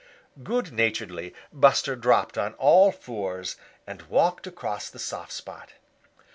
Good naturedly Buster dropped on all fours and walked across the soft spot.